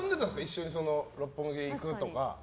一緒に六本木に行くとか。